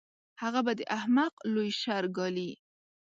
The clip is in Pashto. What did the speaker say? هغه به د احمق لوی شر ګالي.